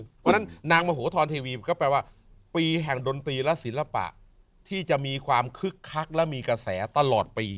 เพราะฉะนั้นนางมโหธรเทวีก็แปลว่าปีแห่งดนตรีและศิลปะที่จะมีความคึกคักและมีกระแสตลอดปี